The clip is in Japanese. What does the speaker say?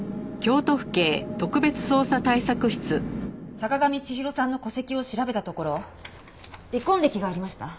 坂上千尋さんの戸籍を調べたところ離婚歴がありました。